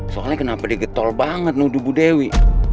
soalnya kenapa digetol banget nunggu dewi